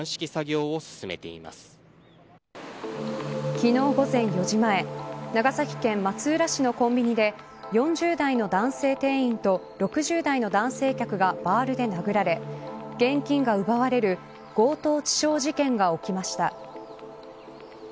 昨日午前４時前長崎県松浦市のコンビニで４０代の男性店員と６０代の男性客がバールで殴られ、現金が奪われる強盗致傷事件が起きました。